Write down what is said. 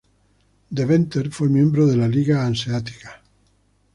Deventer fue miembro de la Liga Hanseática.